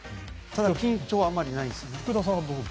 緊張はあんまりないですね。